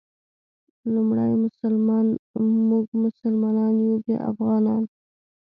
لومړی مونږ مسلمانان یو بیا افغانان.